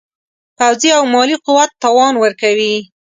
پوځي او مالي قوت توان ورکوي.